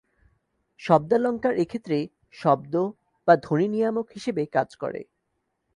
শব্দালঙ্কার এক্ষেত্রে শব্দ বা ধ্বনি নিয়ামক হিসেবে কাজ করে।